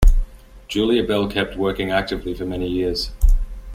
Julia Bell kept working actively for many years.